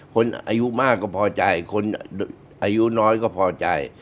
คนอายุมากก็พอใจคนอายุน้อยก็พอใจ